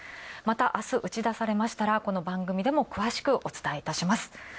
また、あす打ち出されましたらこの番組でも詳しくお伝えいたします。